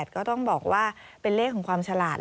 ก็ต้องบอกว่าเป็นเลขของความฉลาด